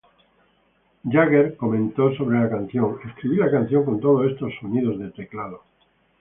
Jagger comentó sobre la canción: "Escribí la canción con todos estos sonidos de teclado.